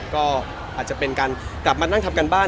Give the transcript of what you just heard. ก็อาจจะเป็นการกลับมานั่งทำการบ้าน